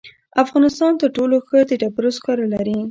افغانستان تر ټولو ښه د ډبرو سکاره لري.